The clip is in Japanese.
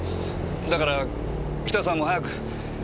だからキタさんも早く。